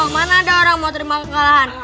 mana ada orang mau terima kekalahan